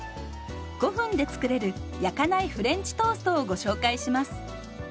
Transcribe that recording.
５分で作れる「焼かないフレンチトースト」をご紹介します。